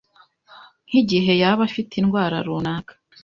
nk’igihe yaba afite indwara runaka.